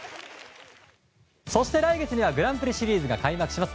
そして、来月にはグランプリシリーズが開幕します。